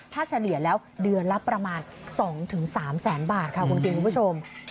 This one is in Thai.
ถ้าเฉลี่ยแล้วเดือนละประมาณ๒๓แสนบาทค่ะคุณคิงคุณผู้ชม